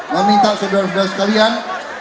meminta saudara saudara sekalian